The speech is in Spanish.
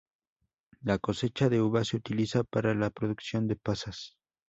La cosecha de uva se utiliza para la producción de pasas.